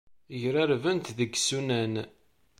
Grarbent deg yisunan.